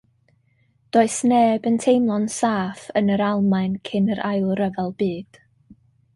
Does neb yn teimlo'n saff yn yr Almaen cyn yr Ail Ryfel Byd.